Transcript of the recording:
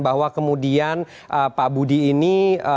bahwa kemudian pak budi ini